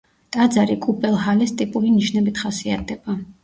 ტაძარი კუპელჰალეს ტიპური ნიშნებით ხასიათდება.